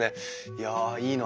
いやいいな。